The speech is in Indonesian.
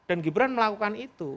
dan gibran melakukan itu